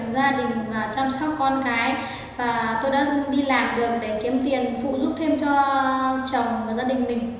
gia đình chăm sóc con cái và tôi đã đi làm được để kiếm tiền phụ giúp thêm cho chồng và gia đình mình